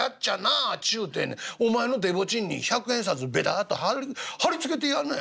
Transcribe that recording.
ちゅうてお前のでぼちんに百円札ベタっと貼り付けてやんのや。